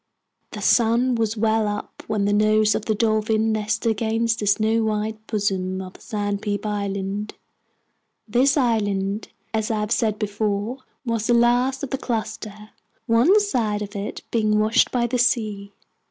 The sun was well up when the nose of the Dolphin nestled against the snow white bosom of Sandpeep Island. This island, as I have said before, was the last of the cluster, one side of it being washed by the sea.